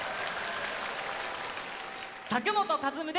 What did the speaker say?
佐久本和夢です。